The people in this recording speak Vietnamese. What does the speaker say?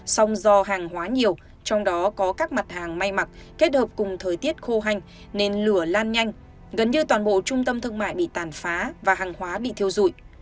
song do hàng hóa nhiều trong đó có các mặt hàng may mặc kết hợp cùng thời tiết khô hành nên lửa lan nhanh gần như toàn bộ trung tâm thương mại bị tàn phá và hàng hóa bị thiêu dụi